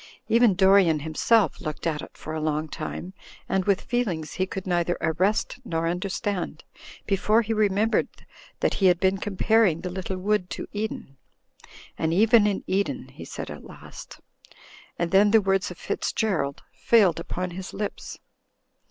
Even Dorian, himself, looked at it for a long time, and with feelings he could neither arrest nor understand, before he remembered that he had been comparing the little wood to Eden. "And even in Eden," he said at last ; and then the words of Fitzgerald failed upon his lips.